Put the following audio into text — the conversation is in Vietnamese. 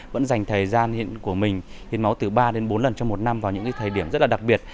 vẫn dành thời gian hiện của mình hiến máu từ ba đến bốn lần trong một năm vào những thời điểm rất là đặc biệt